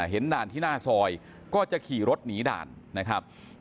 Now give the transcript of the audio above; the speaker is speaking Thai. ด่านที่หน้าซอยก็จะขี่รถหนีด่านนะครับ